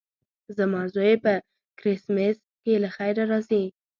زما زوی په کرېسمس کې له خیره راځي.